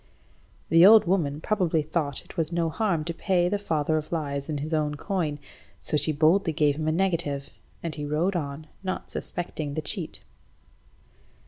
The old woman probably thought it was no harm to pay the father of lies in his own coin, so she boldly gave him a negative, and he rode on, not suspecting the cheat.